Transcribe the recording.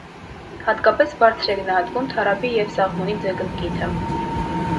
Հատկապես բարձր է գնահատվում թառափի և սաղմոնի ձկնկիթը։